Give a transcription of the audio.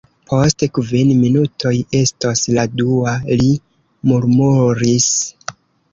Post kvin minutoj estos la dua, li murmuris.